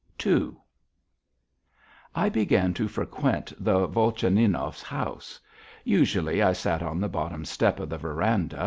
II I began to frequent the Volchaninovs' house. Usually I sat on the bottom step of the veranda.